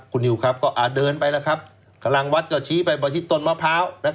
คุณนิวครับก็เดินไปแล้วครับกำลังวัดก็ชี้ไปที่ต้นมะพร้าว